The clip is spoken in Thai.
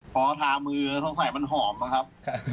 พอทามือแล้วสงสัยมันหอมนะครับ